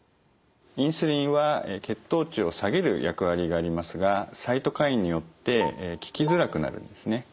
インスリンは血糖値を下げる役割がありますがサイトカインによって効きづらくなるんですね。